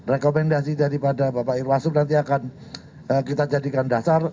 rekomendasi daripada bapak irwasum nanti akan kita jadikan dasar